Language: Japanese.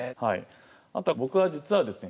あとは僕は実はですね